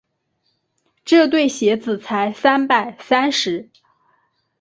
这对鞋子才三百三十。